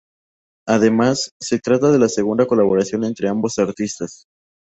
Además, se trata de la segunda colaboración entre ambos artistas.